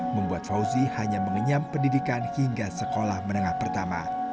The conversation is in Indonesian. membuat fauzi hanya mengenyam pendidikan hingga sekolah menengah pertama